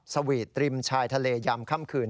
สวีทริมชายทะเลยามค่ำคืน